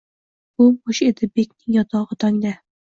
Bo’m-bo’sh edi bekning yotog’i tongda